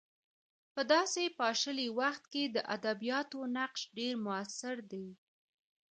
په داسې پاشلي وخت کې د ادبیاتو نقش ډېر موثر دی.